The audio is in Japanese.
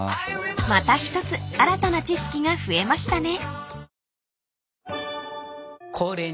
［また１つ新たな知識が増えましたね］